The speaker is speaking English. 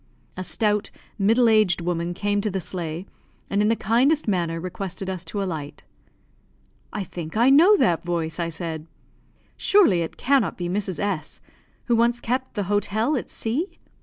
A stout, middle aged woman came to the sleigh, and in the kindest manner requested us to alight. "I think I know that voice," I said. "Surely it cannot be Mrs. S , who once kept the hotel at C